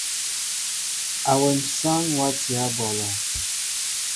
Awém sááŋ watiyă ɓɔlɔ.